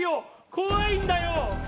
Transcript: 怖いんだよ。